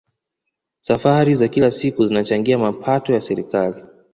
safari za kila siku zinachangia mapato ya serikali